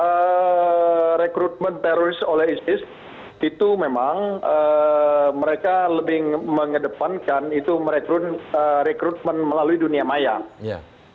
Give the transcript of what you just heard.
jadi begini rekrutmen teroris oleh isis itu memang mereka lebih mengedepankan itu rekrutmen melalui dunia maya